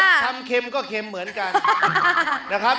ใช้แหละครับอ่าทำเค็มก็เค็มเหมือนกันนะครับ